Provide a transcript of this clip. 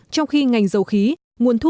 trong khi ngành dầu khí nguồn thu